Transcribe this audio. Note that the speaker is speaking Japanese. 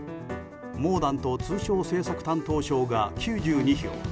モーダント通商政策担当相が９２票。